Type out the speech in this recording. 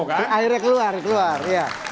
ah akhirnya keluar keluar